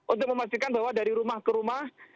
untuk memastikan bahwa dari rumah ke rumah